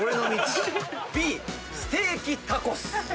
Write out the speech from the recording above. Ｂステーキタコス。